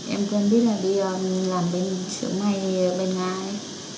em còn biết là đi làm bình sướng hay bình ai